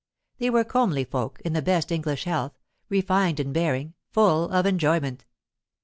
They were comely folk, in the best English health, refined in bearing, full of enjoyment.